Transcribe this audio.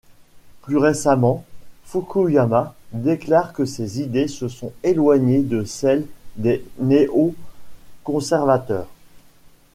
Plus récemment, Fukuyama déclare que ses idées se sont éloignées de celles des néo-conservateurs.